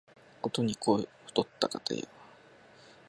ことに肥ったお方や若いお方は、大歓迎いたします